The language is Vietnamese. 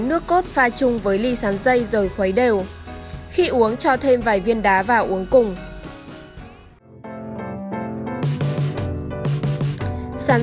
nước cốt pha chung với ly sáng dây rồi khuấy đều khi uống cho thêm vài viên đá và uống cùng sáng